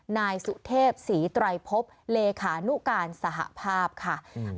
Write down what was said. นายสุเทพศรีไตรพบเลขานุการสหภาพค่ะอืม